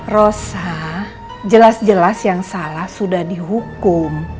rosa jelas jelas yang salah sudah dihukum